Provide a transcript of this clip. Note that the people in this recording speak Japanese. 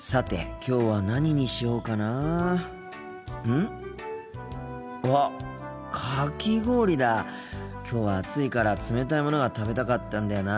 きょうは暑いから冷たいものが食べたかったんだよな。